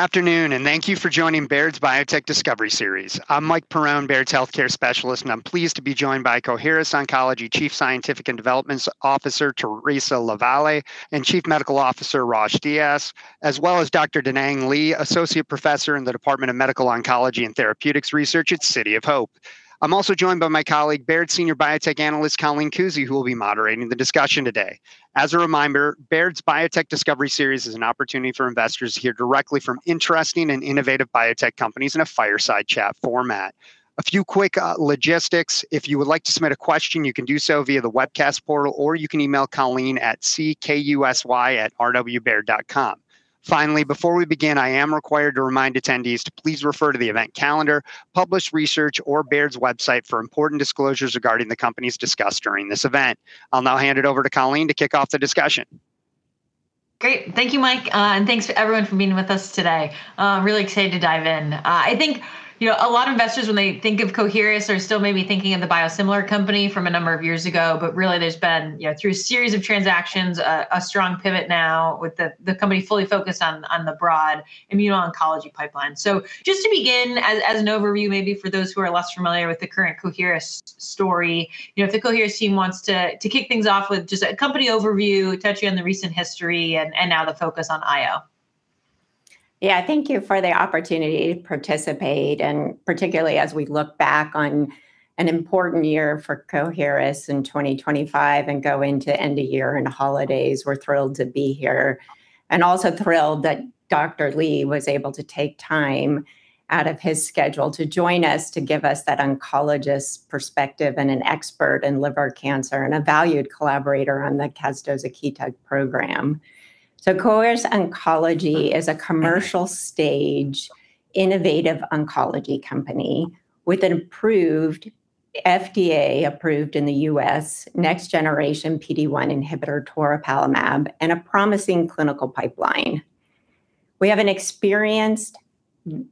Afternoon, and thank you for joining Baird's Biotech Discovery Series. I'm Mike Perrone, Baird's Healthcare Specialist, and I'm pleased to be joined by Coherus Oncology Chief Scientific and Development Officer Theresa LaVallee and Chief Medical Officer Rosh Dias, as well as Dr. Daneng Li, Associate Professor in the Department of Medical Oncology and Therapeutics Research at City of Hope. I'm also joined by my colleague, Baird's Senior Biotech Analyst Colleen Kusy, who will be moderating the discussion today. As a reminder, Baird's Biotech Discovery Series is an opportunity for investors to hear directly from interesting and innovative biotech companies in a fireside chat format. A few quick logistics: if you would like to submit a question, you can do so via the webcast portal, or you can email Colleen at ckusy@rwbaird.com. Finally, before we begin, I am required to remind attendees to please refer to the event calendar, published research, or Baird's website for important disclosures regarding the companies discussed during this event. I'll now hand it over to Colleen to kick off the discussion. Great. Thank you, Mike, and thanks to everyone for being with us today. I'm really excited to dive in. I think a lot of investors, when they think of Coherus, are still maybe thinking of the biosimilar company from a number of years ago, but really there's been, through a series of transactions, a strong pivot now with the company fully focused on the broad immuno-oncology pipeline. So just to begin as an overview, maybe for those who are less familiar with the current Coherus story, if the Coherus team wants to kick things off with just a company overview, touch on the recent history, and now the focus on IO. Yeah, thank you for the opportunity to participate, and particularly as we look back on an important year for Coherus in 2025 and go into the end of the year and holidays. We're thrilled to be here. We're also thrilled that Dr. Li was able to take time out of his schedule to join us to give us that oncologist perspective and an expert in liver cancer and a valued collaborator on Casdozokitug program. Coherus Oncology is a commercial stage innovative oncology company with an approved FDA-approved in the U.S. next generation PD-1 inhibitor, Toripalimab, and a promising clinical pipeline. We have an experienced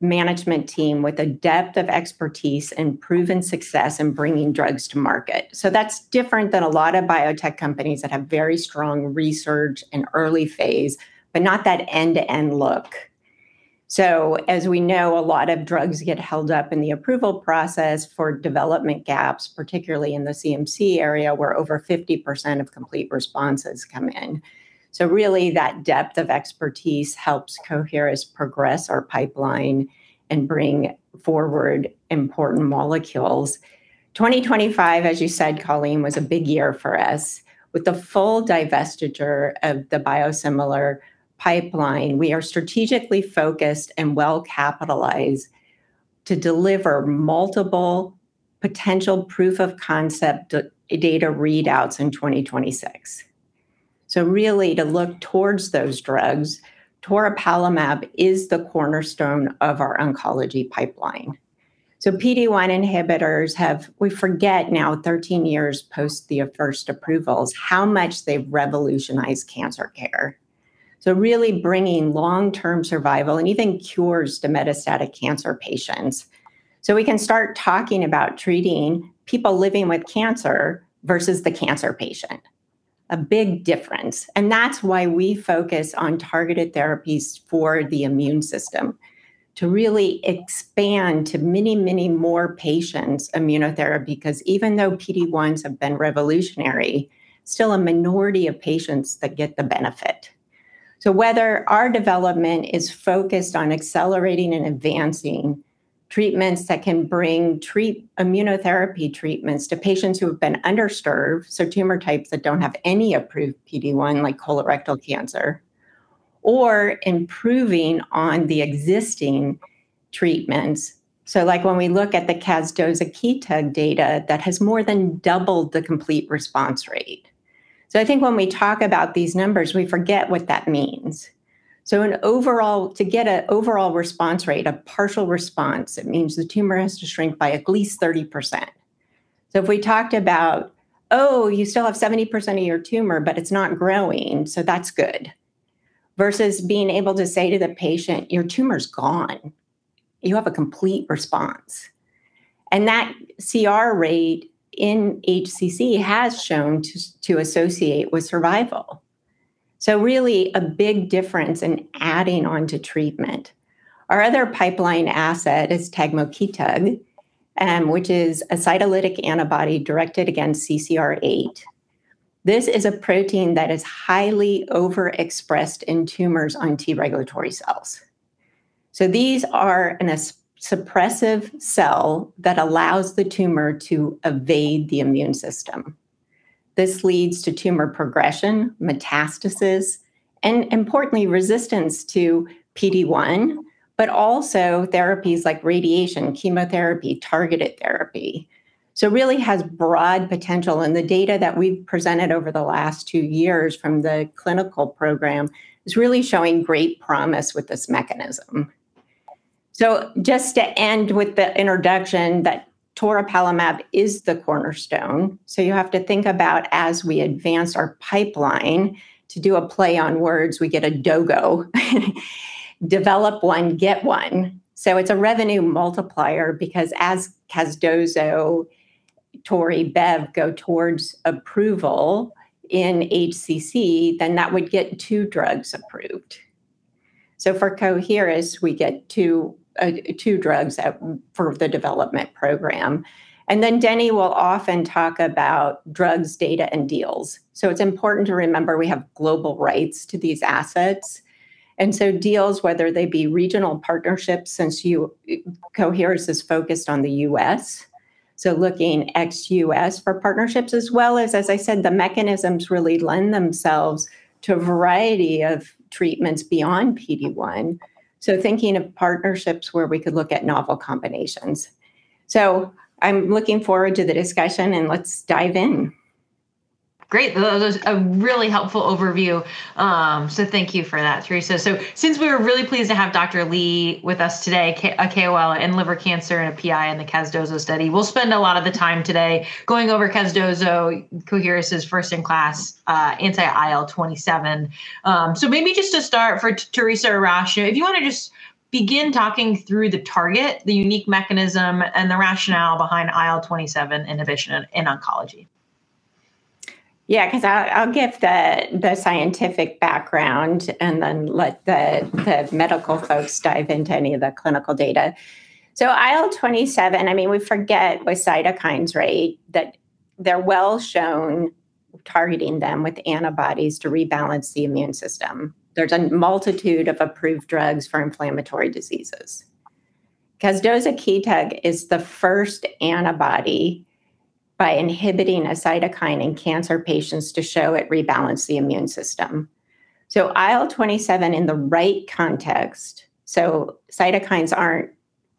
management team with a depth of expertise and proven success in bringing drugs to market. That's different than a lot of biotech companies that have very strong research and early phase, but not that end-to-end look. As we know, a lot of drugs get held up in the approval process for development gaps, particularly in the CMC area where over 50% of complete responses come in. Really that depth of expertise helps Coherus progress our pipeline and bring forward important molecules. 2025, as you said, Colleen, was a big year for us. With the full divestiture of the biosimilar pipeline, we are strategically focused and well-capitalized to deliver multiple potential proof-of-concept data readouts in 2026. Really to look towards those drugs, Toripalimab is the cornerstone of our oncology pipeline. PD-1 inhibitors have, we forget now 13 years post the first approvals, how much they've revolutionized cancer care. Really bringing long-term survival and even cures to metastatic cancer patients. We can start talking about treating people living with cancer versus the cancer patient. A big difference. That's why we focus on targeted therapies for the immune system to really expand to many, many more patients' immunotherapy, because even though PD-1s have been revolutionary, still a minority of patients that get the benefit. Whether our development is focused on accelerating and advancing treatments that can bring immunotherapy treatments to patients who have been underserved, so tumor types that don't have any approved PD-1 like colorectal cancer, or improving on the existing treatments. Like when we look at the Casdozokitug data that has more than doubled the complete response rate. I think when we talk about these numbers, we forget what that means. To get an overall response rate, a partial response, it means the tumor has to shrink by at least 30%. If we talked about, oh, you still have 70% of your tumor, but it's not growing, so that's good. Versus being able to say to the patient, your tumor's gone, you have a complete response. And that CR rate in HCC has shown to associate with survival. So really a big difference in adding on to treatment. Our other pipeline asset is Tagmokitug, which is a cytolytic antibody directed against CCR8. This is a protein that is highly overexpressed in tumors on T regulatory cells. So these are a suppressive cell that allows the tumor to evade the immune system. This leads to tumor progression, metastasis, and importantly, resistance to PD-1, but also therapies like radiation, chemotherapy, targeted therapy. So it really has broad potential, and the data that we've presented over the last two years from the clinical program is really showing great promise with this mechanism. Just to end with the introduction that Toripalimab is the cornerstone, so you have to think about as we advance our pipeline to do a play on words, we get a dogo, develop one, get one. It's a revenue multiplier because as Casdozo, Tori, Bev go towards approval in HCC, then that would get two drugs approved. For Coherus, we get two drugs for the development program. Then Denny will often talk about drugs, data, and deals. It's important to remember we have global rights to these assets. Deals, whether they be regional partnerships, since Coherus is focused on the U.S., so looking ex-U.S. for partnerships, as well as, as I said, the mechanisms really lend themselves to a variety of treatments beyond PD-1. Thinking of partnerships where we could look at novel combinations. So I'm looking forward to the discussion, and let's dive in. Great. That was a really helpful overview. So thank you for that, Theresa. So since we were really pleased to have Dr. Li with us today, a KOL in liver cancer and a PI in the Casdozo study, we'll spend a lot of the time today going over Casdozo, Coherus' first-in-class anti-IL-27. So maybe just to start for Theresa or Rosh, if you want to just begin talking through the target, the unique mechanism, and the rationale behind IL-27 inhibition in oncology. Yeah, because I'll give the scientific background and then let the medical folks dive into any of the clinical data. So IL-27, I mean, we forget with cytokines, right, that they're well shown targeting them with antibodies to rebalance the immune system. There's a multitude of approved drugs for inflammatory diseases. Casdozokitug is the first antibody by inhibiting a cytokine in cancer patients to show it rebalanced the immune system. So IL-27 in the right context, so cytokines aren't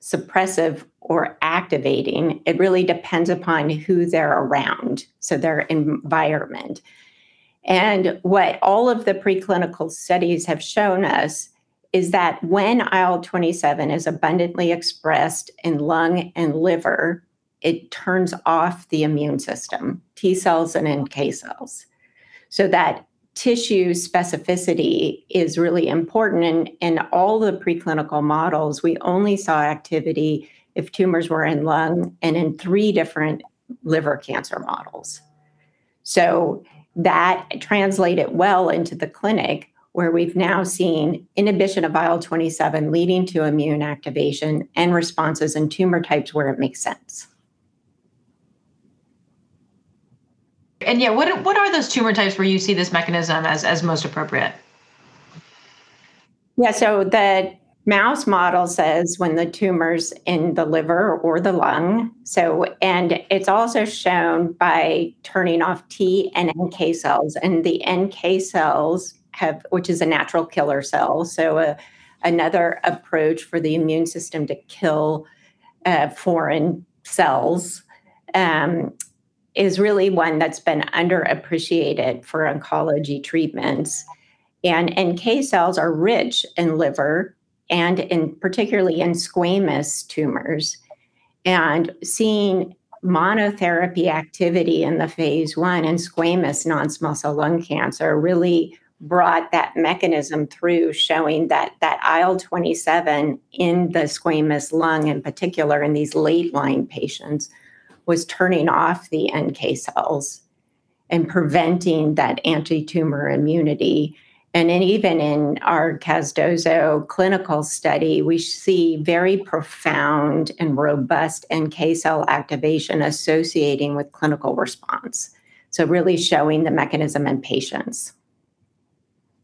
suppressive or activating, it really depends upon who they're around, so their environment. And what all of the preclinical studies have shown us is that when IL-27 is abundantly expressed in lung and liver, it turns off the immune system, T cells and NK cells. So that tissue specificity is really important. In all the preclinical models, we only saw activity if tumors were in lung and in three different liver cancer models. So that translated well into the clinic where we've now seen inhibition of IL-27 leading to immune activation and responses in tumor types where it makes sense. Yeah, what are those tumor types where you see this mechanism as most appropriate? Yeah, so the mouse model says when the tumor's in the liver or the lung, and it's also shown by turning off T and NK cells. And the NK cells, which is a natural killer cell, so another approach for the immune system to kill foreign cells, is really one that's been underappreciated for oncology treatments. And NK cells are rich in liver and particularly in squamous tumors. And seeing monotherapy activity in the Phase I in squamous non-small cell lung cancer really brought that mechanism through, showing that IL27 in the squamous lung in particular in these late-line patients was turning off the NK cells and preventing that anti-tumor immunity. And then even in our Casdozo clinical study, we see very profound and robust NK cell activation associating with clinical response. So really showing the mechanism in patients.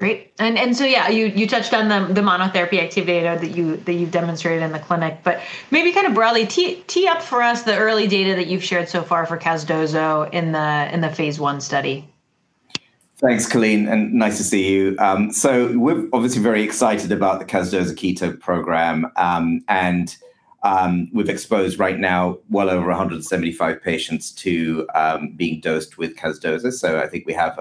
Great. And so yeah, you touched on the monotherapy activity that you've demonstrated in the clinic, but maybe kind of broadly tee up for us the early data that you've shared so far for Casdozo in the Phase I study. Thanks, Colleen, and nice to see you. So we're obviously very excited about the Casdozokitug program, and we've exposed right now well over 175 patients to being dosed with Casdozo. So I think we have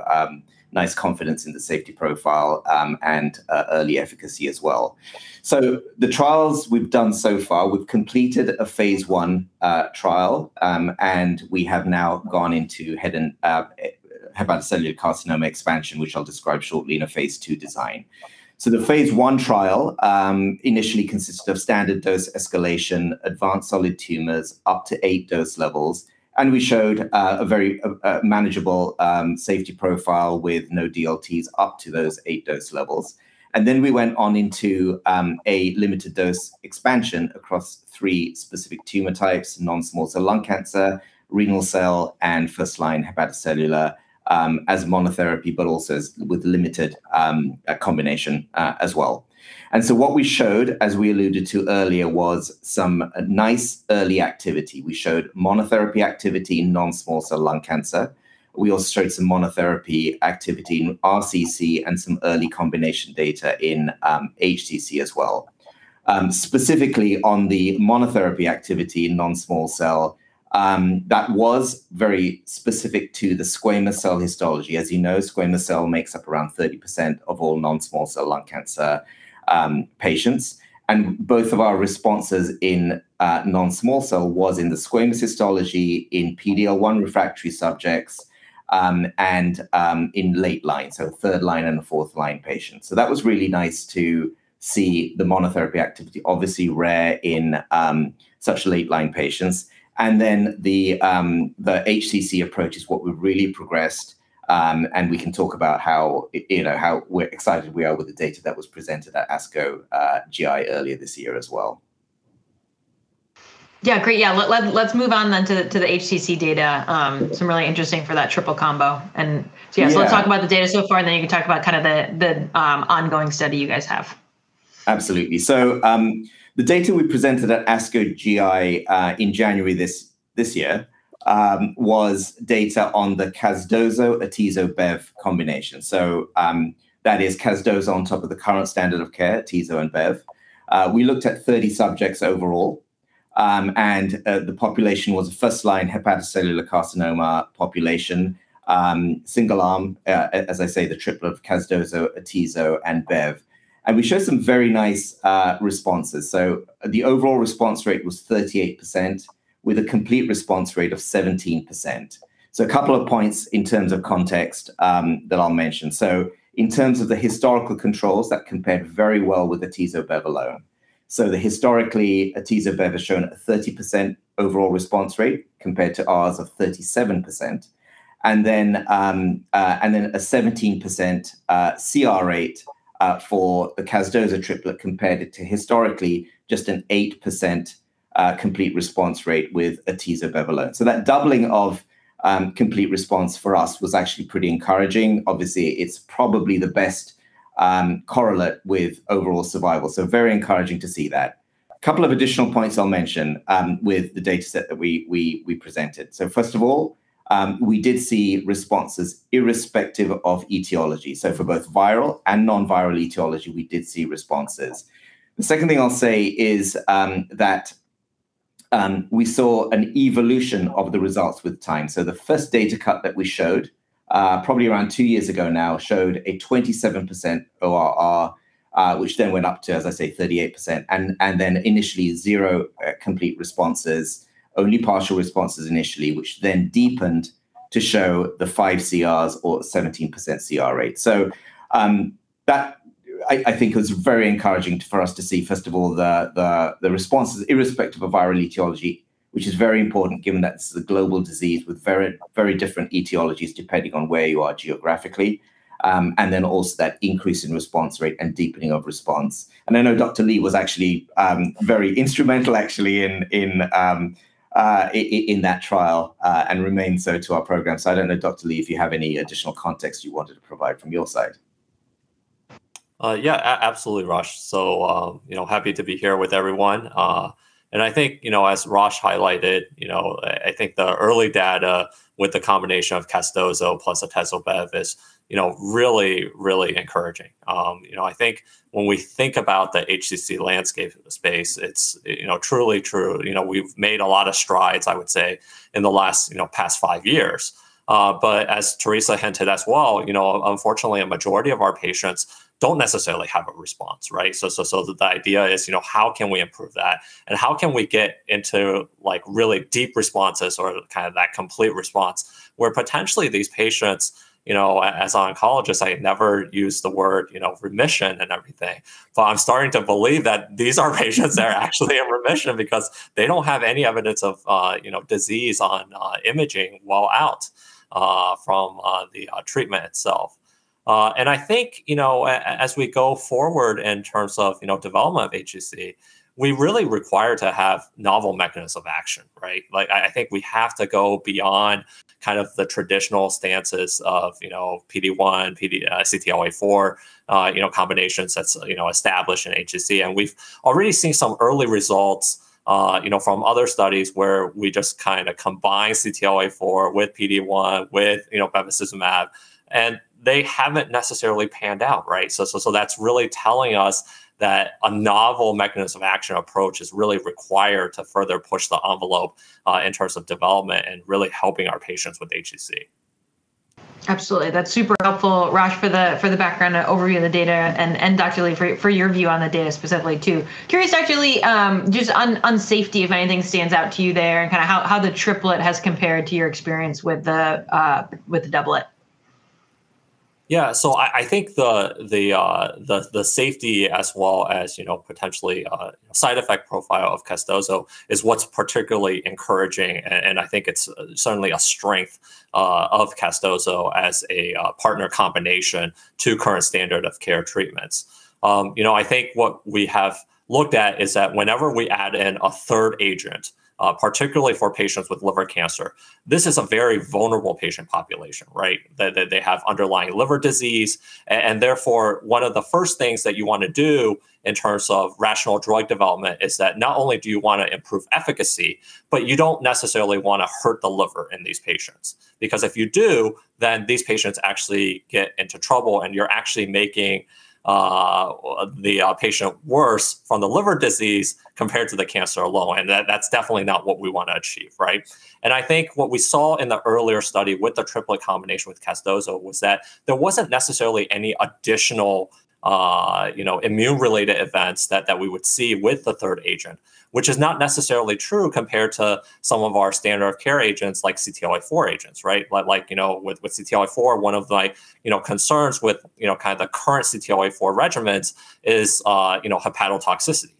nice confidence in the safety profile and early efficacy as well. So the trials we've done so far, we've completed a Phase I trial, and we have now gone into hepatocellular carcinoma expansion, which I'll describe shortly in a Phase II design. So the Phase I trial initially consisted of standard dose escalation, advanced solid tumors up to eight dose levels, and we showed a very manageable safety profile with no DLTs up to those eight dose levels, and then we went on into a limited dose expansion across three specific tumor types: non-small cell lung cancer, renal cell, and first-line hepatocellular as monotherapy, but also with limited combination as well. And so what we showed, as we alluded to earlier, was some nice early activity. We showed monotherapy activity in non-small cell lung cancer. We also showed some monotherapy activity in RCC and some early combination data in HCC as well. Specifically on the monotherapy activity in non-small cell, that was very specific to the squamous cell histology. As you know, squamous cell makes up around 30% of all non-small cell lung cancer patients. And both of our responses in non-small cell was in the squamous histology in PD-1 refractory subjects and in late line, so third line and fourth line patients. So that was really nice to see the monotherapy activity, obviously rare in such late line patients. And then the HCC approach is what we've really progressed, and we can talk about how excited we are with the data that was presented at ASCO GI earlier this year as well. Yeah, great. Yeah, let's move on then to the HCC data. Some really interesting for that triple combo. And so yeah, so let's talk about the data so far, and then you can talk about kind of the ongoing study you guys have. Absolutely. So the data we presented at ASCO GI in January this year was data on the Casdozo-Atezo-Bev combination. So that is Casdozo on top of the current standard of care, Atezo and Bev. We looked at 30 subjects overall, and the population was a first-line hepatocellular carcinoma population, single arm, as I say, the triplet of Casdozo, Atezo, and Bev. And we showed some very nice responses. So the overall response rate was 38% with a complete response rate of 17%. So a couple of points in terms of context that I'll mention. So in terms of the historical controls, that compared very well with Atezo-Bev alone. So historically, Atezo-Bev has shown a 30% overall response rate compared to ours of 37%, and then a 17% CR rate for the Casdozo triplet compared to historically just an 8% complete response rate with Atezo-Bev alone. So that doubling of complete response for us was actually pretty encouraging. Obviously, it's probably the best correlate with overall survival. So very encouraging to see that. A couple of additional points I'll mention with the data set that we presented. So first of all, we did see responses irrespective of etiology. So for both viral and non-viral etiology, we did see responses. The second thing I'll say is that we saw an evolution of the results with time. So the first data cut that we showed, probably around two years ago now, showed a 27% ORR, which then went up to, as I say, 38%, and then initially zero complete responses, only partial responses initially, which then deepened to show the five CRs or 17% CR rate. So that I think was very encouraging for us to see, first of all, the responses irrespective of viral etiology, which is very important given that this is a global disease with very different etiologies depending on where you are geographically, and then also that increase in response rate and deepening of response. And I know Dr. Li was actually very instrumental in that trial and remains so to our program. So I don't know, Dr. Li, if you have any additional context you wanted to provide from your side. Yeah, absolutely, Rosh, so happy to be here with everyone, and I think as Rosh highlighted, I think the early data with the combination of Casdozo plus Atezo-Bev is really, really encouraging. I think when we think about the HCC landscape of the space, it's truly true. We've made a lot of strides, I would say, in the past five years, but as Theresa hinted as well, unfortunately, a majority of our patients don't necessarily have a response, right, so the idea is, how can we improve that, and how can we get into really deep responses or kind of that complete response where potentially these patients, as an oncologist, I never use the word remission and everything, but I'm starting to believe that these are patients that are actually in remission because they don't have any evidence of disease on imaging while out from the treatment itself. I think as we go forward in terms of development of HCC, we really require to have novel mechanisms of action, right? I think we have to go beyond kind of the traditional stances of PD-1, CTLA-4 combinations that's established in HCC. And we've already seen some early results from other studies where we just kind of combine CTLA-4 with PD-1 with Bevacizumab, and they haven't necessarily panned out, right? So that's really telling us that a novel mechanism of action approach is really required to further push the envelope in terms of development and really helping our patients with HCC. Absolutely. That's super helpful, Rosh, for the background overview of the data. And Dr. Li, for your view on the data specifically too. Curious, Dr. Li, just on safety, if anything stands out to you there and kind of how the triplet has compared to your experience with the doublet? Yeah, so I think the safety as well as potentially side effect profile of Casdozo is what's particularly encouraging, and I think it's certainly a strength of Casdozo as a partner combination to current standard of care treatments. I think what we have looked at is that whenever we add in a third agent, particularly for patients with liver cancer, this is a very vulnerable patient population, right? They have underlying liver disease, and therefore one of the first things that you want to do in terms of rational drug development is that not only do you want to improve efficacy, but you don't necessarily want to hurt the liver in these patients. Because if you do, then these patients actually get into trouble, and you're actually making the patient worse from the liver disease compared to the cancer alone. And that's definitely not what we want to achieve, right? I think what we saw in the earlier study with the triplet combination with Casdozo was that there wasn't necessarily any additional immune-related events that we would see with the third agent, which is not necessarily true compared to some of our standard of care agents like CTLA-4 agents, right? Like with CTLA-4, one of the concerns with kind of the current CTLA-4 regimens is hepatotoxicity.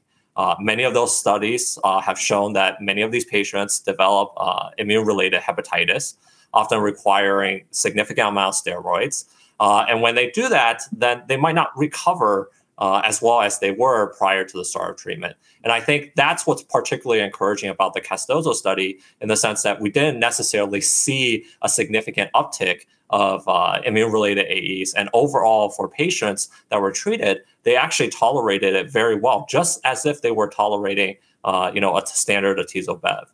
Many of those studies have shown that many of these patients develop immune-related hepatitis, often requiring significant amounts of steroids. And when they do that, then they might not recover as well as they were prior to the start of treatment. And I think that's what's particularly encouraging about the Casdozo study in the sense that we didn't necessarily see a significant uptick of immune-related AEs. Overall, for patients that were treated, they actually tolerated it very well, just as if they were tolerating a standard Atezo-Bev.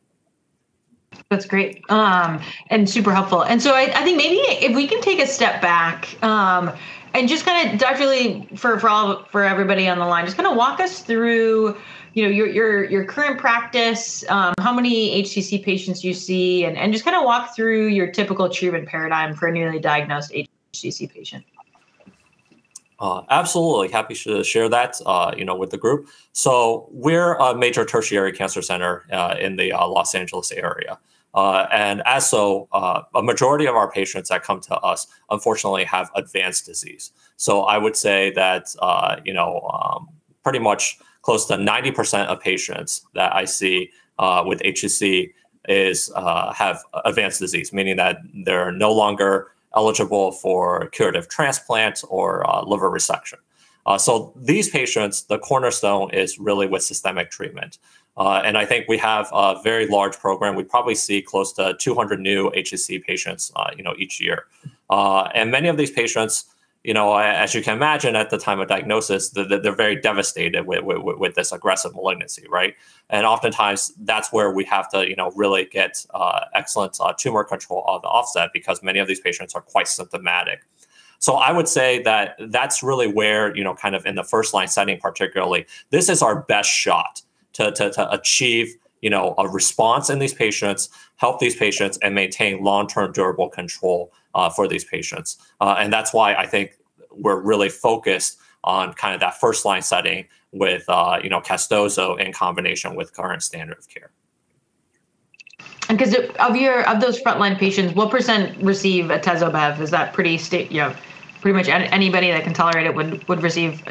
That's great and super helpful. And so I think maybe if we can take a step back and just kind of, Dr. Li, for everybody on the line, just kind of walk us through your current practice, how many HCC patients you see, and just kind of walk through your typical treatment paradigm for a newly diagnosed HCC patient. Absolutely. Happy to share that with the group, so we're a major tertiary cancer center in the Los Angeles area, and as such, a majority of our patients that come to us, unfortunately, have advanced disease, so I would say that pretty much close to 90% of patients that I see with HCC have advanced disease, meaning that they're no longer eligible for curative transplants or liver resection, so these patients, the cornerstone is really with systemic treatment, and I think we have a very large program. We probably see close to 200 new HCC patients each year, and many of these patients, as you can imagine, at the time of diagnosis, they're very devastated with this aggressive malignancy, right, and oftentimes, that's where we have to really get excellent tumor control to offset because many of these patients are quite symptomatic. I would say that that's really where kind of in the first-line setting, particularly, this is our best shot to achieve a response in these patients, help these patients, and maintain long-term durable control for these patients. That's why I think we're really focused on kind of that first-line setting with Casdozo in combination with current standard of care. And because of those front-line patients, what % receive Atezo-Bev? Is that pretty much anybody that can tolerate it would receive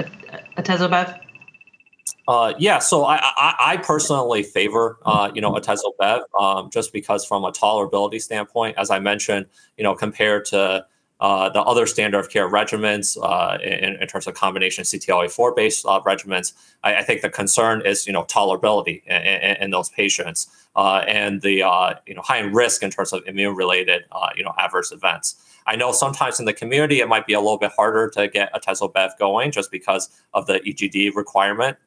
Atezo-Bev? Yeah, so I personally favor Atezo-Bev just because from a tolerability standpoint, as I mentioned, compared to the other standard of care regimens in terms of combination CTLA-4-based regimens, I think the concern is tolerability in those patients and the high risk in terms of immune-related adverse events. I know sometimes in the community, it might be a little bit harder to get Atezo-Bev going just because of the EGD requirement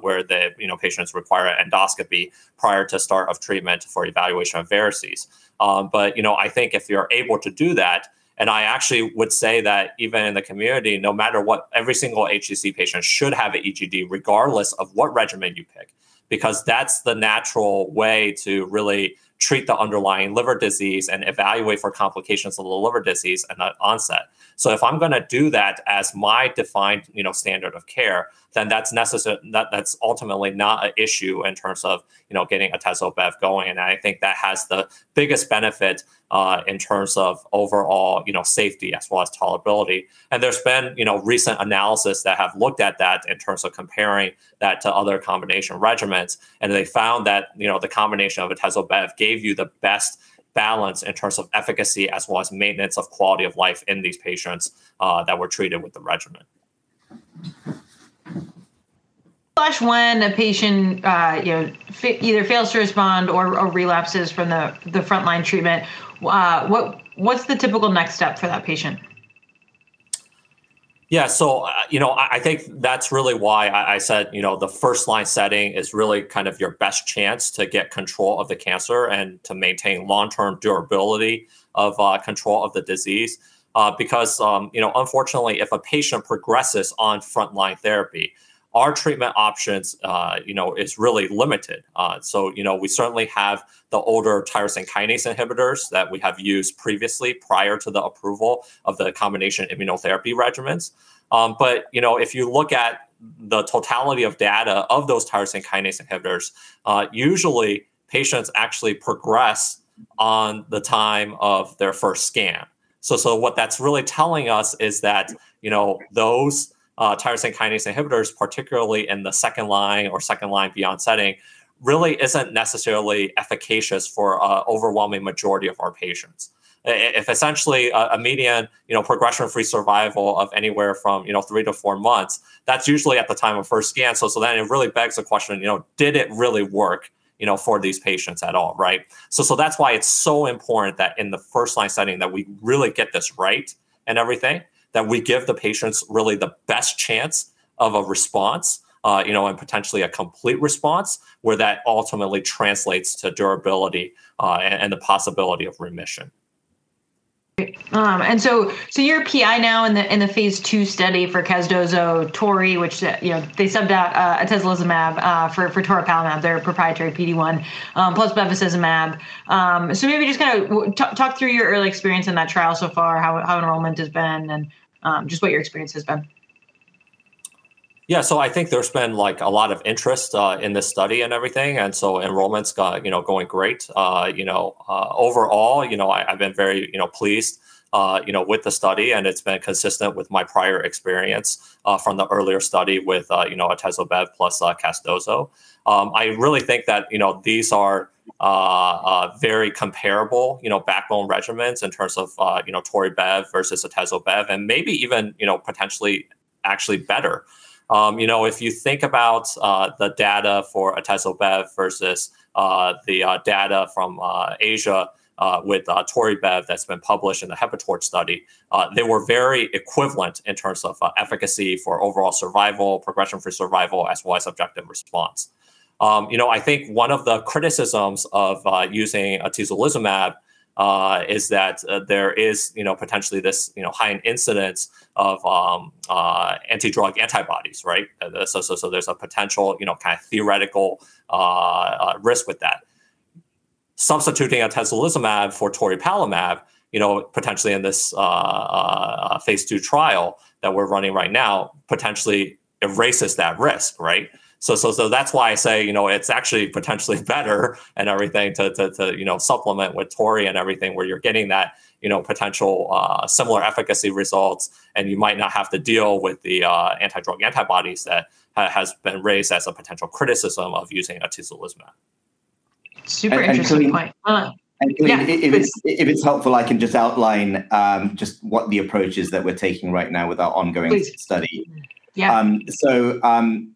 where the patients require endoscopy prior to start of treatment for evaluation of varices, but I think if you're able to do that, and I actually would say that even in the community, no matter what, every single HCC patient should have an EGD regardless of what regimen you pick because that's the natural way to really treat the underlying liver disease and evaluate for complications of the liver disease and the onset. So if I'm going to do that as my defined standard of care, then that's ultimately not an issue in terms of getting Atezo-Bev going. And I think that has the biggest benefit in terms of overall safety as well as tolerability. And there's been recent analysis that have looked at that in terms of comparing that to other combination regimens. And they found that the combination of Atezo-Bev gave you the best balance in terms of efficacy as well as maintenance of quality of life in these patients that were treated with the regimen. When a patient either fails to respond or relapses from the front-line treatment, what's the typical next step for that patient? Yeah. So I think that's really why I said the first-line setting is really kind of your best chance to get control of the cancer and to maintain long-term durability of control of the disease. Because unfortunately, if a patient progresses on front-line therapy, our treatment options are really limited. So we certainly have the older tyrosine kinase inhibitors that we have used previously prior to the approval of the combination immunotherapy regimens. But if you look at the totality of data of those tyrosine kinase inhibitors, usually patients actually progress on the time of their first scan. So what that's really telling us is that those tyrosine kinase inhibitors, particularly in the second line or second line beyond setting, really isn't necessarily efficacious for an overwhelming majority of our patients. If essentially a median progression-free survival of anywhere from three to four months, that's usually at the time of first scan. So then it really begs the question, did it really work for these patients at all, right? So that's why it's so important that in the first-line setting that we really get this right and everything, that we give the patients really the best chance of a response and potentially a complete response where that ultimately translates to durability and the possibility of remission. You're a PI now in the Phase II study for Casdozo, Tori, which they subbed out Atezolizumab for Toripalimab, their proprietary PD-1, plus Bevacizumab. Maybe just kind of talk through your early experience in that trial so far, how enrollment has been, and just what your experience has been. Yeah. So I think there's been a lot of interest in this study and everything, and so enrollment's going great. Overall, I've been very pleased with the study, and it's been consistent with my prior experience from the earlier study with Atezo-Bev plus Casdozo. I really think that these are very comparable backbone regimens in terms of Tori-Bev versus Atezo-Bev, and maybe even potentially actually better. If you think about the data for Atezo-Bev versus the data from Asia with Tori-Bev that's been published in the HEPATORCH study, they were very equivalent in terms of efficacy for overall survival, progression-free survival, as well as objective response. I think one of the criticisms of using Atezolizumab is that there is potentially this high incidence of antidrug antibodies, right, so there's a potential kind of theoretical risk with that. Substituting Atezolizumab for Toripalimab, potentially in this Phase II trial that we're running right now, potentially erases that risk, right? So that's why I say it's actually potentially better and everything to supplement with Tori and everything where you're getting that potential similar efficacy results, and you might not have to deal with the antidrug antibodies that have been raised as a potential criticism of using Atezolizumab. Super interesting point. If it's helpful, I can just outline what the approach is that we're taking right now with our ongoing study. Please.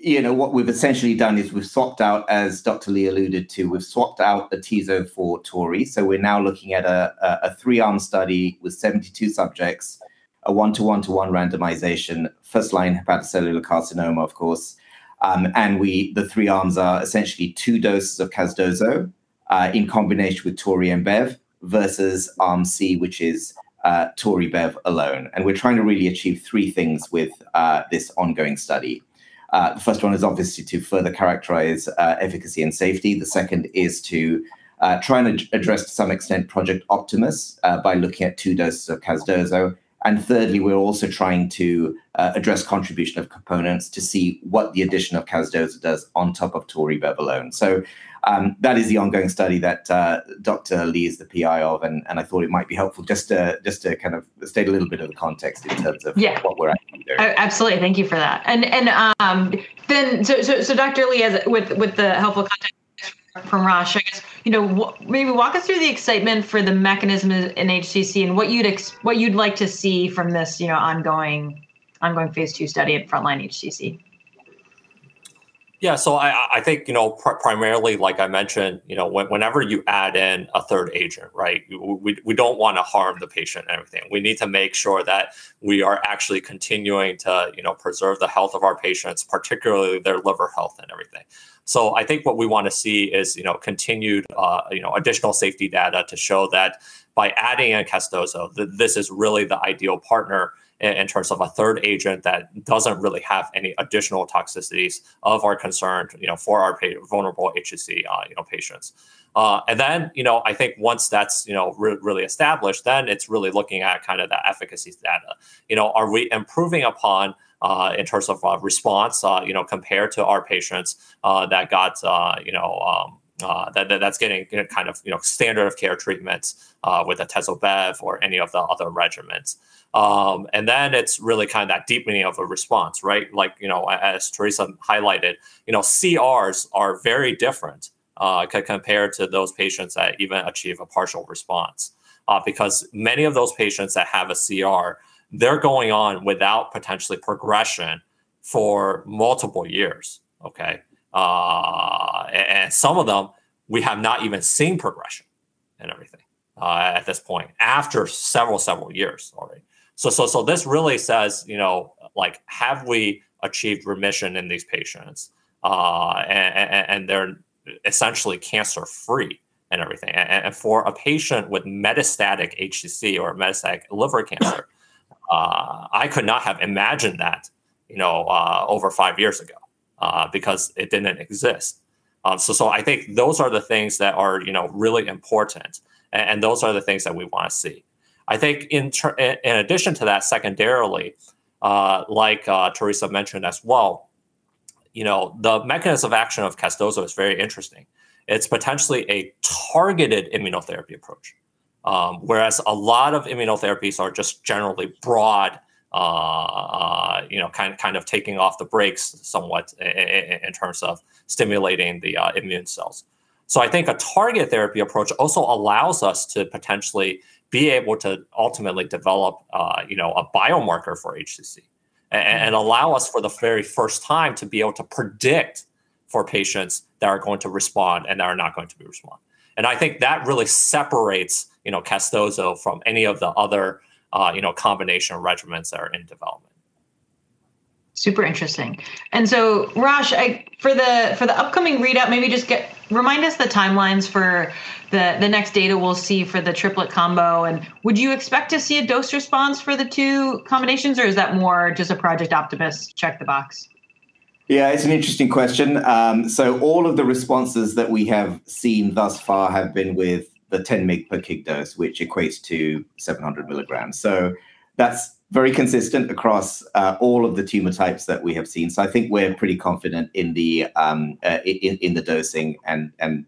Yeah. What we've essentially done is we've swapped out, as Dr. Li alluded to, we've swapped out Atezo for Tori. We're now looking at a three-arm study with 72 subjects, a one-to-one-to-one randomization, first-line hepatocellular carcinoma, of course. The three arms are essentially two doses of Casdozo in combination with Tori and Bev versus arm C, which is Tori-Bev alone. We're trying to really achieve three things with this ongoing study. The first one is obviously to further characterize efficacy and safety. The second is to try and address, to some extent, Project Optimus by looking at two doses of Casdozo. Thirdly, we're also trying to address contribution of components to see what the addition of Casdozo does on top of Tori Bev alone. That is the ongoing study that Dr. Lee is the PI of, and I thought it might be helpful just to kind of state a little bit of the context in terms of what we're aiming there. Absolutely. Thank you for that. And then so Dr. Li, with the helpful context from Rosh, I guess maybe walk us through the excitement for the mechanism in HCC and what you'd like to see from this ongoing Phase II study in first-line HCC. Yeah. So I think primarily, like I mentioned, whenever you add in a third agent, right, we don't want to harm the patient and everything. We need to make sure that we are actually continuing to preserve the health of our patients, particularly their liver health and everything. So I think what we want to see is continued additional safety data to show that by adding in Casdozo, this is really the ideal partner in terms of a third agent that doesn't really have any additional toxicities of our concern for our vulnerable HCC patients. And then I think once that's really established, then it's really looking at kind of the efficacy data. Are we improving upon in terms of response compared to our patients that got that's getting kind of standard of care treatments with Atezo-Bev or any of the other regimens? And then it's really kind of that deepening of the response, right? Like as Theresa highlighted, CRs are very different compared to those patients that even achieve a partial response because many of those patients that have a CR, they're going on without potentially progression for multiple years, okay? And some of them, we have not even seen progression and everything at this point after several, several years already. So this really says, have we achieved remission in these patients? And they're essentially cancer-free and everything. And for a patient with metastatic HCC or metastatic liver cancer, I could not have imagined that over five years ago because it didn't exist. So I think those are the things that are really important, and those are the things that we want to see. I think in addition to that, secondarily, like Theresa mentioned as well, the mechanism of action of Casdozokitug is very interesting. It's potentially a targeted immunotherapy approach, whereas a lot of immunotherapies are just generally broad, kind of taking off the brakes somewhat in terms of stimulating the immune cells. So I think a targeted therapy approach also allows us to potentially be able to ultimately develop a biomarker for HCC and allow us for the very first time to be able to predict for patients that are going to respond and that are not going to respond. And I think that really separates Casdozokitug from any of the other combination regimens that are in development. Super interesting. And so Rosh, for the upcoming readout, maybe just remind us the timelines for the next data we'll see for the triplet combo. And would you expect to see a dose response for the two combinations, or is that more just a Project Optimus check the box? Yeah, it's an interesting question. All of the responses that we have seen thus far have been with the 10 mg per kg dose, which equates to 700 milligrams. That's very consistent across all of the tumor types that we have seen. I think we're pretty confident in the dosing.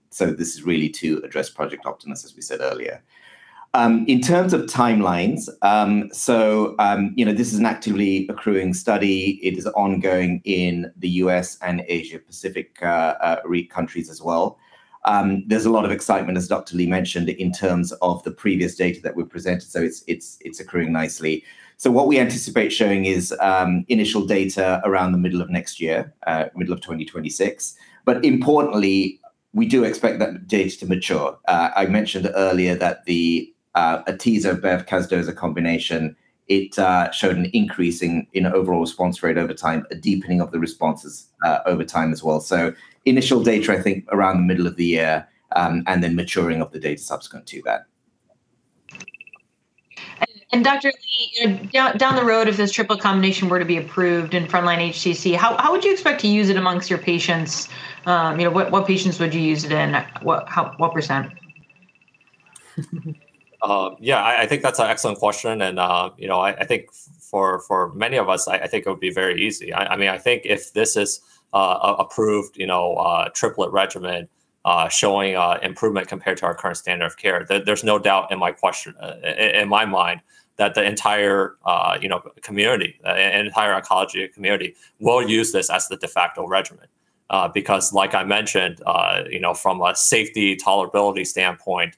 This is really to address Project Optimus, as we said earlier. In terms of timelines, this is an actively accruing study. It is ongoing in the U.S. and Asia-Pacific countries as well. There's a lot of excitement, as Dr. Li mentioned, in terms of the previous data that were presented. It's accruing nicely. What we anticipate showing is initial data around the middle of next year, middle of 2026. Importantly, we do expect that data to mature. I mentioned earlier that the Atezo-Bev-Casdozo combination, it showed an increase in overall response rate over time, a deepening of the responses over time as well. So initial data, I think, around the middle of the year and then maturing of the data subsequent to that. Dr. Li, down the road, if this triple combination were to be approved in front-line HCC, how would you expect to use it amongst your patients? What patients would you use it in? What %? Yeah, I think that's an excellent question. And I think for many of us, I think it would be very easy. I mean, I think if this is an approved triplet regimen showing improvement compared to our current standard of care, there's no doubt in my mind that the entire community, the entire oncology community, will use this as the de facto regimen. Because like I mentioned, from a safety tolerability standpoint,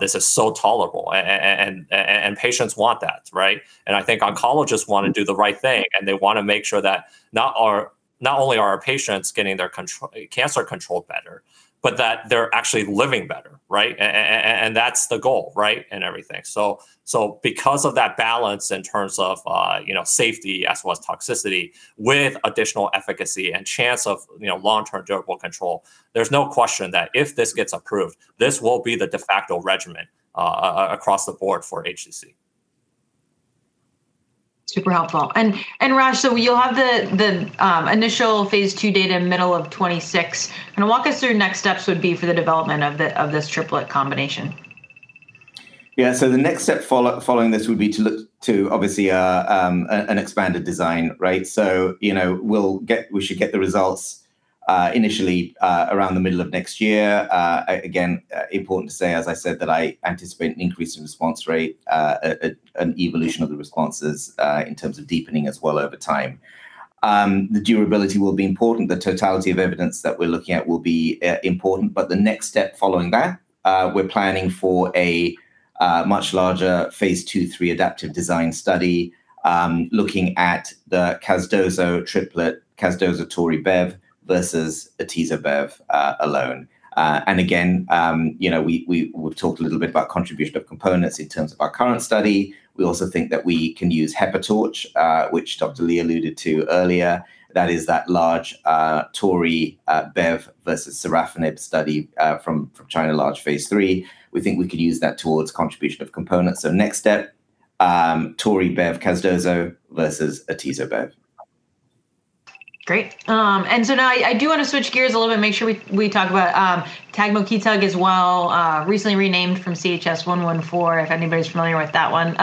this is so tolerable, and patients want that, right? And I think oncologists want to do the right thing, and they want to make sure that not only are our patients getting their cancer controlled better, but that they're actually living better, right? And that's the goal, right, and everything. So because of that balance in terms of safety as well as toxicity with additional efficacy and chance of long-term durable control, there's no question that if this gets approved, this will be the de facto regimen across the board for HCC. Super helpful. And Rosh, so you'll have the initial Phase II data in the middle of 2026. Kind of walk us through next steps would be for the development of this triplet combination? Yeah. So the next step following this would be to look to obviously an expanded design, right? So we should get the results initially around the middle of next year. Again, important to say, as I said, that I anticipate an increase in response rate and evolution of the responses in terms of deepening as well over time. The durability will be important. The totality of evidence that we're looking at will be important. But the next step following that, we're planning for a much larger Phase II, three adaptive design study looking at the Casdozo triplet, Casdozo-Tori Bev versus Atezobev alone. And again, we've talked a little bit about contribution of components in terms of our current study. We also think that we can use HEPATORCH, which Dr. Li alluded to earlier. That is, that large Tori Bev versus Sorafenib study from China, large Phase III. We think we can use that towards contribution of components. So next step, Tori Bev-Casdozo versus Atezo-Bev. Great, and so now I do want to switch gears a little bit, make sure we talk about Tagmokitug as well, recently renamed from CHS-114, if anybody's familiar with that one,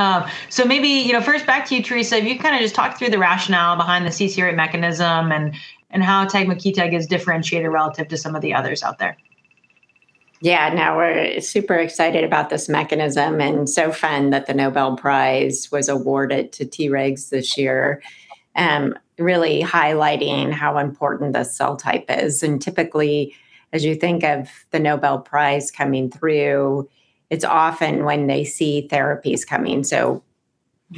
so maybe first back to you, Theresa, if you kind of just talk through the rationale behind the CCR8 mechanism and how Tagmokitug is differentiated relative to some of the others out there. Yeah, now we're super excited about this mechanism and so find that the Nobel Prize was awarded to Tregs this year, really highlighting how important the cell type is. And typically, as you think of the Nobel Prize coming through, it's often when they see therapies coming. So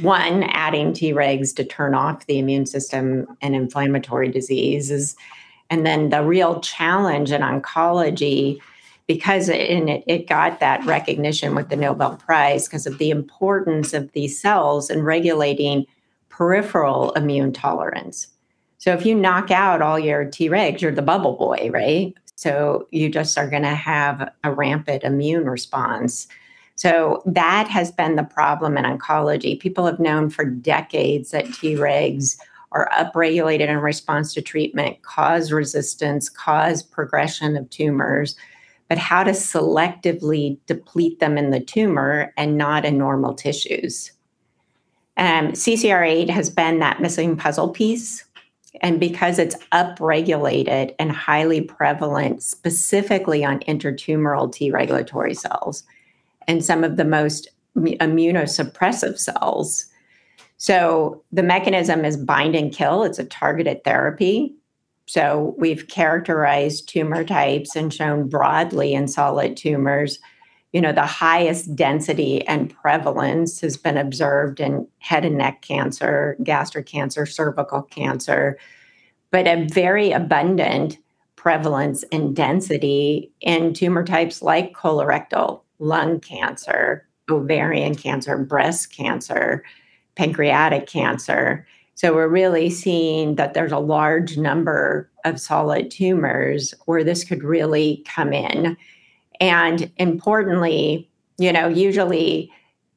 one, adding Tregs to turn off the immune system and inflammatory diseases. And then the real challenge in oncology, because it got that recognition with the Nobel Prize because of the importance of these cells in regulating peripheral immune tolerance. So if you knock out all your Tregs, you're the bubble boy, right? So you just are going to have a rampant immune response. So that has been the problem in oncology. People have known for decades that Tregs are upregulated in response to treatment, cause resistance, cause progression of tumors, but how to selectively deplete them in the tumor and not in normal tissues. CCR8 has been that missing puzzle piece. And because it's upregulated and highly prevalent specifically on intratumoral T regulatory cells and some of the most immunosuppressive cells. So the mechanism is bind and kill. It's a targeted therapy. So we've characterized tumor types and shown broadly in solid tumors, the highest density and prevalence has been observed in head and neck cancer, gastric cancer, cervical cancer, but a very abundant prevalence and density in tumor types like colorectal, lung cancer, ovarian cancer, breast cancer, pancreatic cancer. So we're really seeing that there's a large number of solid tumors where this could really come in. And importantly, usually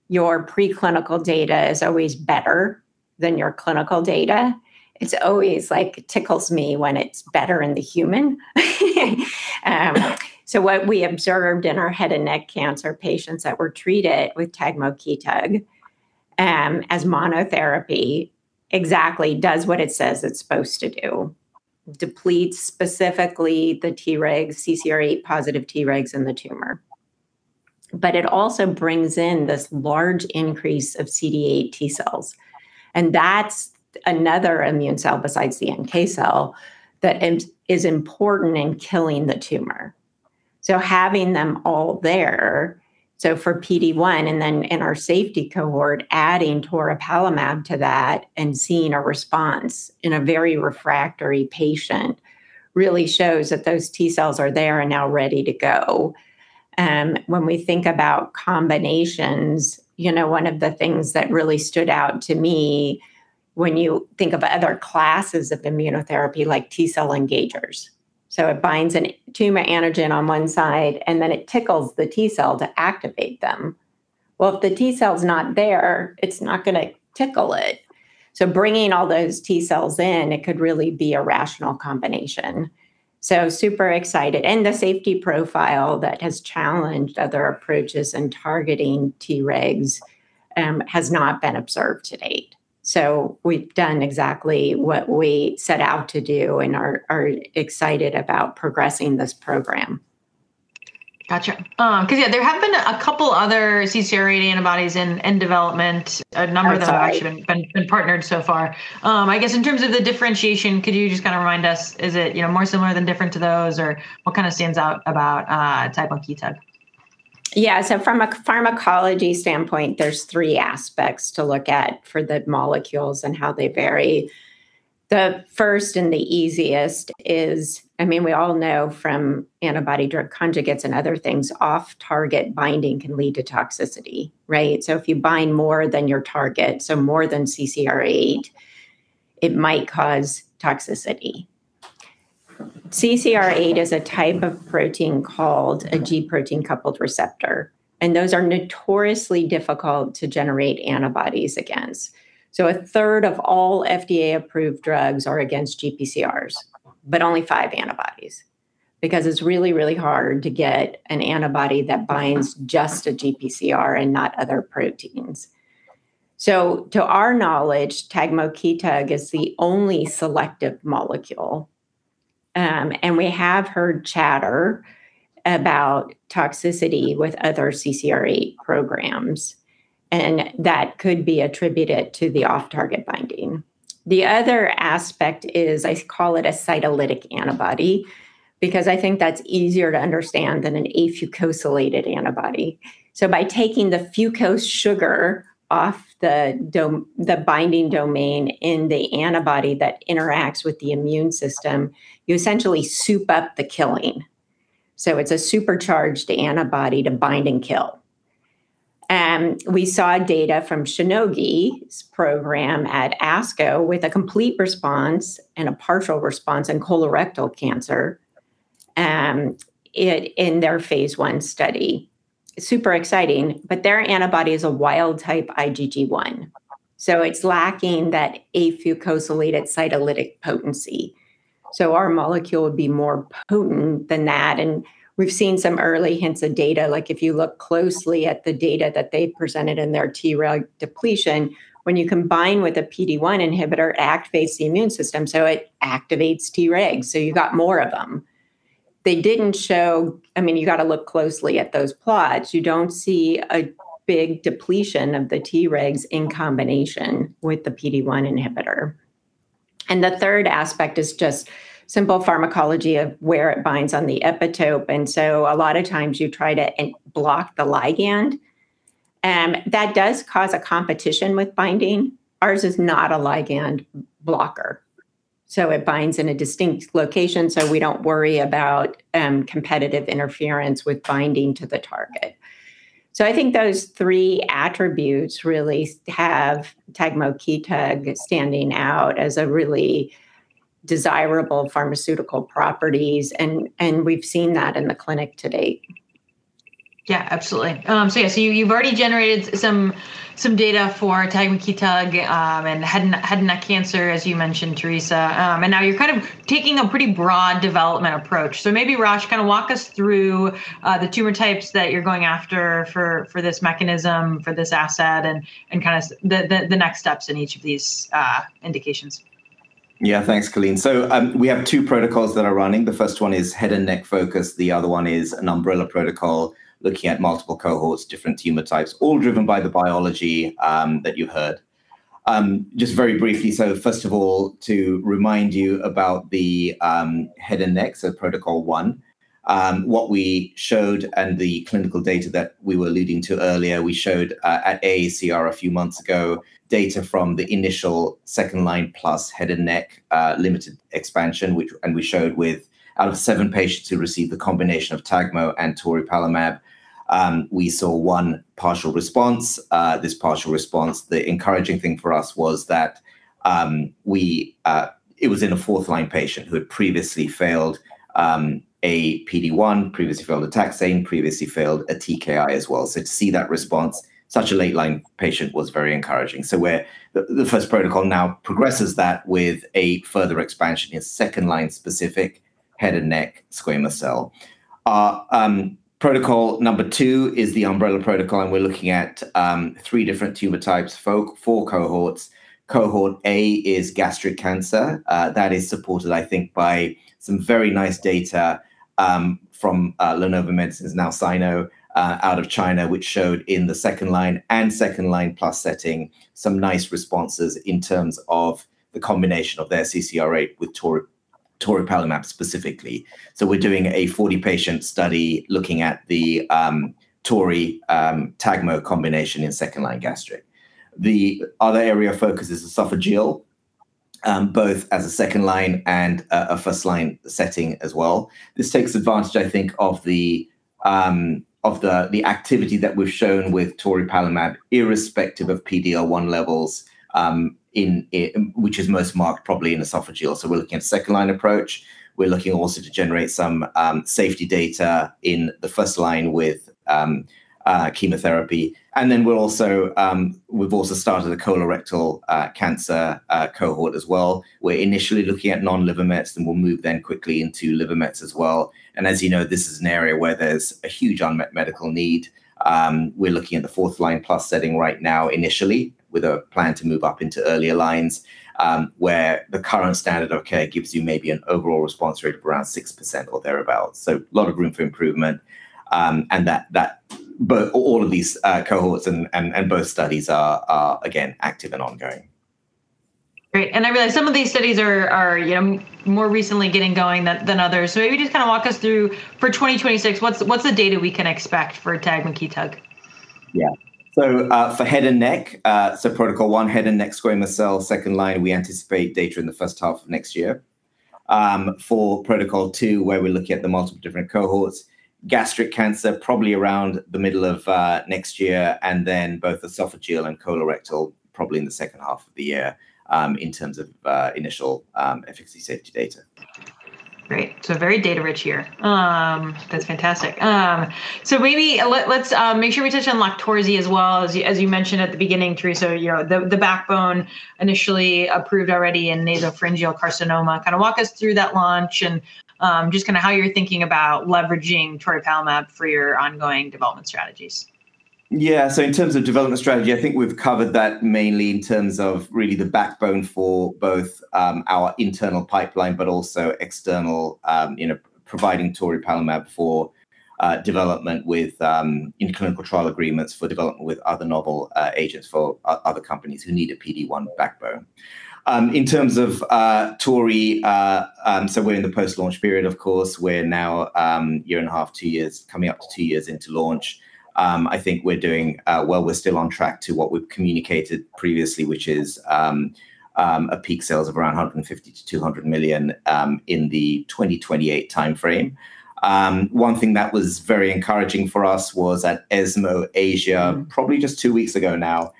your preclinical data is always better than your clinical data. It's always like tickles me when it's better in the human. So what we observed in our head and neck cancer patients that were treated with Tagmokitug as monotherapy exactly does what it says it's supposed to do, deplete specifically the Tregs, CCR8 positive Tregs in the tumor. But it also brings in this large increase of CD8 T cells. And that's another immune cell besides the NK cell that is important in killing the tumor. So having them all there, so for PD1 and then in our safety cohort, adding Toripalimab to that and seeing a response in a very refractory patient really shows that those T cells are there and now ready to go. When we think about combinations, one of the things that really stood out to me when you think of other classes of immunotherapy like T cell engagers. So it binds a tumor antigen on one side, and then it tickles the T cell to activate them. Well, if the T cell's not there, it's not going to tickle it. So bringing all those T cells in, it could really be a rational combination. So super excited. And the safety profile that has challenged other approaches in targeting Tregs has not been observed to date. So we've done exactly what we set out to do and are excited about progressing this program. Gotcha. Because yeah, there have been a couple of other CCR8 antibodies in development, a number that have actually been partnered so far. I guess in terms of the differentiation, could you just kind of remind us, is it more similar than different to those, or what kind of stands out about Tagmokitug? Yeah, so from a pharmacology standpoint, there's three aspects to look at for the molecules and how they vary. The first and the easiest is, I mean, we all know from antibody drug conjugates and other things, off-target binding can lead to toxicity, right? So if you bind more than your target, so more than CCR8, it might cause toxicity. CCR8 is a type of protein called a G-protein-coupled receptor. And those are notoriously difficult to generate antibodies against. So a third of all FDA-approved drugs are against GPCRs, but only five antibodies because it's really, really hard to get an antibody that binds just to GPCR and not other proteins. So to our knowledge, Tagmokitug is the only selective molecule. And we have heard chatter about toxicity with other CCR8 programs. And that could be attributed to the off-target binding. The other aspect is I call it a cytolytic antibody because I think that's easier to understand than an afucosylated antibody. So by taking the fucose sugar off the binding domain in the antibody that interacts with the immune system, you essentially soup up the killing. So it's a supercharged antibody to bind and kill. We saw data from Shionogi's program at ASCO with a complete response and a partial response in colorectal cancer in their Phase I study. Super exciting, but their antibody is a wild type IgG1. So it's lacking that afucosylated cytolytic potency. So our molecule would be more potent than that. And we've seen some early hints of data. Like if you look closely at the data that they presented in their Treg depletion, when you combine with a PD-1 inhibitor, it activates the immune system. So it activates Tregs. So you've got more of them. They didn't show, I mean, you got to look closely at those plots. You don't see a big depletion of the Tregs in combination with the PD-1 inhibitor. And the third aspect is just simple pharmacology of where it binds on the epitope. And so a lot of times you try to block the ligand. That does cause a competition with binding. Ours is not a ligand blocker. So it binds in a distinct location. So we don't worry about competitive interference with binding to the target. So I think those three attributes really have Tagmokitug standing out as really desirable pharmaceutical properties. And we've seen that in the clinic to date. Yeah, absolutely. So yeah, so you've already generated some data for Tagmokitug and head and neck cancer, as you mentioned, Theresa. And now you're kind of taking a pretty broad development approach. So maybe Rosh, kind of walk us through the tumor types that you're going after for this mechanism, for this asset, and kind of the next steps in each of these indications. Yeah, thanks, Colleen. So we have two protocols that are running. The first one is head and neck focus. The other one is an umbrella protocol looking at multiple cohorts, different tumor types, all driven by the biology that you heard. Just very briefly, so first of all, to remind you about the head and neck, so protocol one, what we showed and the clinical data that we were alluding to earlier, we showed at AACR a few months ago data from the initial second line plus head and neck limited expansion, which we showed with out of seven patients who received the combination of TAGMU and toripalimab, we saw one partial response. This partial response, the encouraging thing for us was that it was in a fourth line patient who had previously failed a PD-1, previously failed a taxane, previously failed a TKI as well. So to see that response, such a late-line patient was very encouraging. So the first protocol now progresses that with a further expansion in second-line specific head and neck squamous cell. Protocol number two is the umbrella protocol. And we're looking at three different tumor types, four cohorts. Cohort A is gastric cancer. That is supported, I think, by some very nice data from LaNova Medicines, now Sino, out of China, which showed in the second line and second line plus setting some nice responses in terms of the combination of their CCR8 with Toripalimab specifically. So we're doing a 40-patient study looking at the Tori Tagmu combination in second-line gastric. The other area of focus is esophageal, both as a second line and a first line setting as well. This takes advantage, I think, of the activity that we've shown with toripalimab irrespective of PD-L1 levels, which is most marked probably in esophageal, so we're looking at a second line approach. We're looking also to generate some safety data in the first line with chemotherapy, and then we've also started the colorectal cancer cohort as well. We're initially looking at non-liver mets, and we'll move then quickly into liver mets as well, and as you know, this is an area where there's a huge unmet medical need. We're looking at the fourth line plus setting right now initially with a plan to move up into earlier lines where the current standard of care gives you maybe an overall response rate of around 6% or thereabouts, so a lot of room for improvement, and all of these cohorts and both studies are, again, active and ongoing. Great. And I realize some of these studies are more recently getting going than others. So maybe just kind of walk us through for 2026, what's the data we can expect for Tagmokitug? Yeah. So for head and neck, so protocol one, head and neck squamous cell, second line, we anticipate data in the first half of next year. For protocol two, where we're looking at the multiple different cohorts, gastric cancer, probably around the middle of next year, and then both esophageal and colorectal, probably in the second half of the year in terms of initial efficacy safety data. Great. So very data rich here. That's fantastic. So maybe let's make sure we touch on Loqtorzi as well, as you mentioned at the beginning, Theresa, the backbone initially approved already in nasopharyngeal carcinoma. Kind of walk us through that launch and just kind of how you're thinking about leveraging Toripalimab for your ongoing development strategies. Yeah. In terms of development strategy, I think we've covered that mainly in terms of really the backbone for both our internal pipeline, but also external providing toripalimab for development in clinical trial agreements for development with other novel agents for other companies who need a PD1 backbone. In terms of tori, we're in the post-launch period, of course. We're now a year and a half, two years, coming up to two years into launch. I think we're doing well. We're still on track to what we've communicated previously, which is a peak sales of around $150 million-$200 million in the 2028 timeframe. One thing that was very encouraging for us was at ESMO Asia probably just two weeks ago now.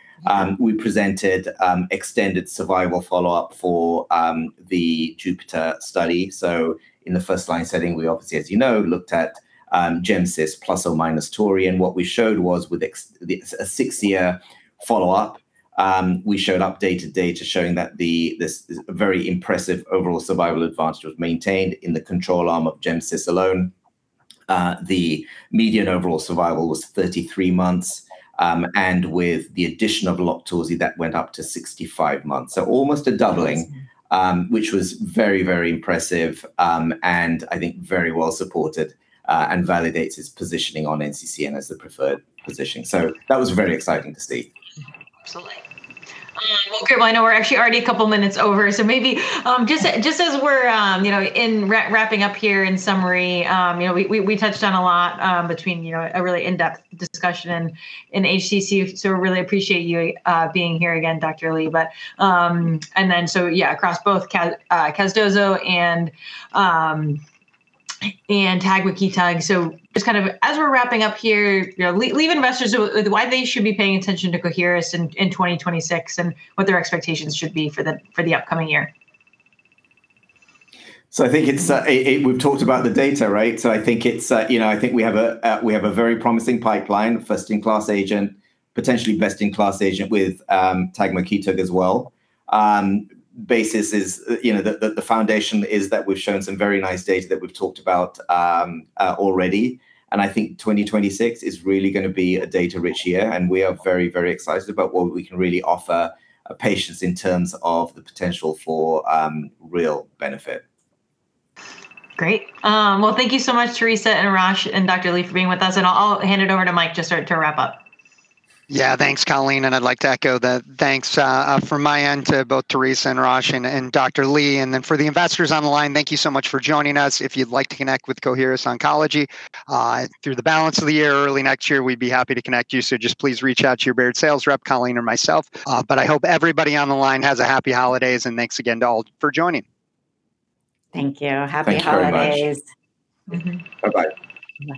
We presented extended survival follow-up for the JUPITER study. In the first line setting, we obviously, as you know, looked at Gem-Cis plus or minus Tori. And what we showed was with a six-year follow-up, we showed updated data showing that this very impressive overall survival advantage was maintained in the control arm of Gem-Cis alone. The median overall survival was 33 months. And with the addition of Loqtorzi, that went up to 65 months. So almost a doubling, which was very, very impressive and I think very well supported and validates its positioning on NCCN as the preferred position. So that was very exciting to see. Absolutely. Good. I know we're actually already a couple of minutes over. So maybe just as we're wrapping up here in summary, we touched on a lot between a really in-depth discussion in HCC. So we really appreciate you being here again, Dr. Li. And then so yeah, across both Casdozokitug and Tagmokitug. So just kind of as we're wrapping up here, leave investors with why they should be paying attention to Coherus in 2026 and what their expectations should be for the upcoming year. So I think we've talked about the data, right? So I think we have a very promising pipeline, first-in-class agent, potentially best-in-class agent with Tagmokitug as well. Basis is the foundation is that we've shown some very nice data that we've talked about already. And I think 2026 is really going to be a data-rich year. And we are very, very excited about what we can really offer patients in terms of the potential for real benefit. Great. Well, thank you so much, Theresa and Rosh and Dr. Li for being with us, and I'll hand it over to Mike just to wrap up. Yeah, thanks, Colleen. And I'd like to echo that. Thanks from my end to both Theresa and Rosh and Dr. Li. And then for the investors on the line, thank you so much for joining us. If you'd like to connect with Coherus Oncology through the balance of the year or early next year, we'd be happy to connect you. So just please reach out to your Baird sales rep, Colleen, or myself. But I hope everybody on the line has a happy holidays. And thanks again to all for joining. Thank you. Happy holidays. Bye-bye.